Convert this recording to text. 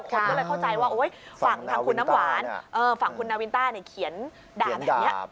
คนก็เลยเข้าใจว่าฝั่งทางคุณน้ำหวานฝั่งคุณนาวินต้าเขียนด่าแบบนี้